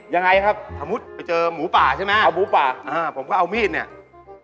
ยังไงครับนึกว่าไปเจอหมูป่าใช่ไหมผมก็เอามีดเนี่ย